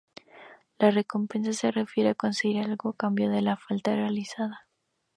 La recompensa se refiere a conseguir algo a cambio de la falta realizada.